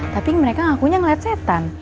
tapi mereka ngakunya ngeliat setan